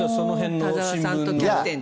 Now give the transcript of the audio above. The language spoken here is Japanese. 田澤さんとキャプテンと。